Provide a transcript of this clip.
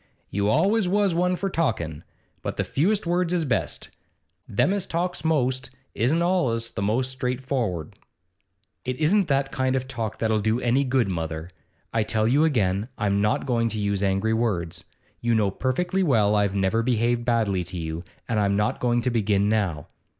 You always was one for talkin', but the fewest words is best. Them as talks most isn't allus the most straightfor'ard.' 'It isn't that kind of talk that'll do any good, mother. I tell you again, I'm not going to use angry words; You know perfectly well I've never behaved badly to you, and I'm not going to begin now.